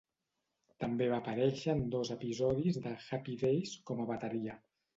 També va aparèixer en dos episodis de "Happy Days" com a bateria.